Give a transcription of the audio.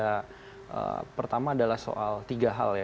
ya pertama adalah soal tiga hal ya